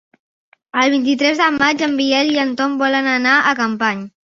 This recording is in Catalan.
El vint-i-tres de maig en Biel i en Tom volen anar a Capmany.